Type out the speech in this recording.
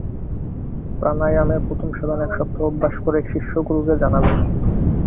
প্রাণায়ামের প্রথম সাধন এক সপ্তাহ অভ্যাস করে শিষ্য গুরুকে জানাবে।